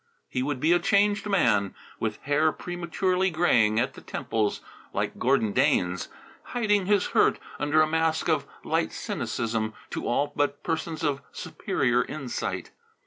He would be a changed man, with hair prematurely graying at the temples, like Gordon Dane's, hiding his hurt under a mask of light cynicism to all but persons of superior insight.